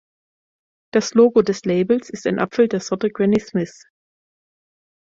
Das Logo des Labels ist ein Apfel der Sorte Granny Smith.